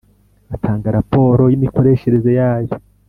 atanga raporo y imikoreshereze yayo